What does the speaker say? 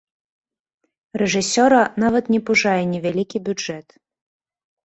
Рэжысёра нават не пужае невялікі бюджэт.